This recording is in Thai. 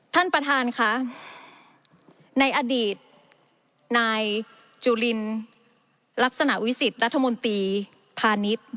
ท่านประธานค่ะในอดีตนายจุลินลักษณะวิสิทธิ์รัฐมนตรีพาณิชย์